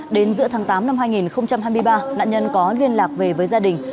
đến giữa tháng tám năm hai nghìn hai mươi ba nạn nhân có liên lạc về với gia đình